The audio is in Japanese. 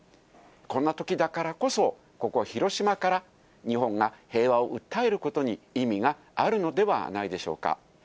こんなときだからこそ、ここ広島から、日本が平和を訴えることに意味があるのではないでしょうか。